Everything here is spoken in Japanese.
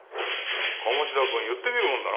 鴨志田君言ってみるもんだな。